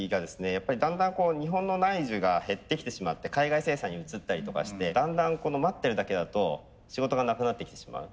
やっぱりだんだん日本の内需が減ってきてしまって海外生産に移ったりとかしてだんだん待ってるだけだと仕事がなくなってきてしまう。